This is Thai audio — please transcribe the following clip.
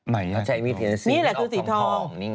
นี่แหละคือสีทอง